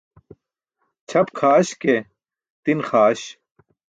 Ćʰap kʰaaś ke, tin xaaś.